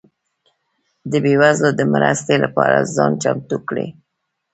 ده بيوزلو ده مرستي لپاره ځان چمتو کړئ